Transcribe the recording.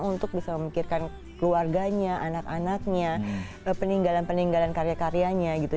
untuk bisa memikirkan keluarganya anak anaknya peninggalan peninggalan karya karyanya gitu